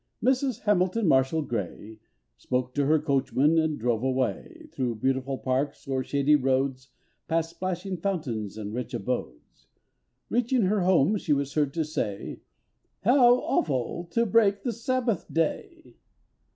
Mrs. Hamilton Marshall Gray Spoke to her coachman and drove away Through beautiful parks, o'er shady roads, Past splashing fountains and rich abodes. Reaching her home, she was heard to say "How awful to break the Sabbath day!"